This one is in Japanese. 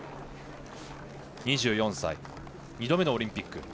２４歳、２度目のオリンピック。